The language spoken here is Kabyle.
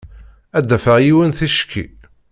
Ad d-afeɣ yiwen ticki.